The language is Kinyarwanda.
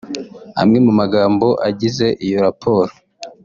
amwe mu magambo agize iyo raporo